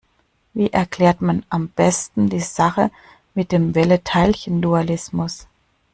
Wie erklärt man am besten die Sache mit dem Welle-Teilchen-Dualismus?